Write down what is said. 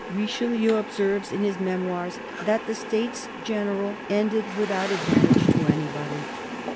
Richelieu observes in his Memoirs that the States General ended without advantage to anybody.